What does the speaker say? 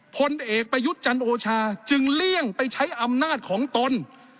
พลเอกประยุทธ์จันโอชาจึงเลี่ยงไปใช้อำนาจของตน